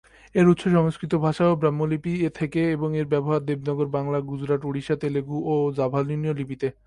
এর উৎস সংস্কৃত ভাষা ও ব্রাহ্মী লিপি থেকে এবং এর ব্যবহার দেবনাগরী, বাংলা, গুজরাটি, ওড়িয়া, তেলুগু ও জাভানীয় লিপিতে।